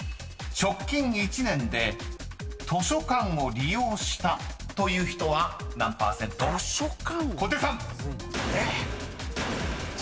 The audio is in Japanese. ［直近１年で図書館を利用した人何％か］